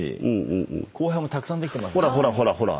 ほらほらほらほら。